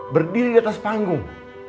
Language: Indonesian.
berdiri di atas panggung